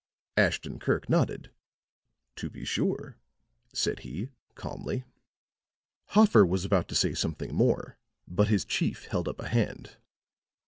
Ashton Kirk nodded. "To be sure," said he, calmly. Hoffer was about to say something more; but his chief held up a hand.